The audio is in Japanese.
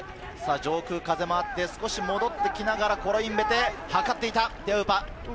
上空は風もあって、少し戻ってきながらコロインベテ。